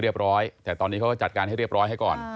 เรียบร้อยแต่ตอนนี้เขาก็จัดการให้เรียบร้อยให้ก่อน